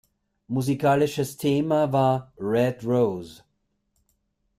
Musikalisches Thema war „Red Rose“.